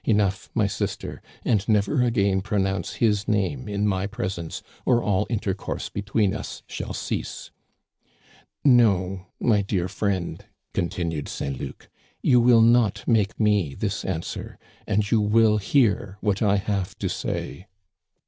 Enough, my sister ; and never again pronounce his name in my presence, or all intercourse between us shall cease/ No, my dear friend," continued Saint Luc, " you will not make me this answer; and you will hear what I have to say."